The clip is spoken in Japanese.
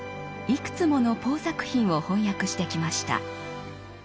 いくつものポー作品を翻訳してきました。